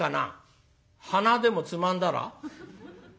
「鼻でもつまんだら？」。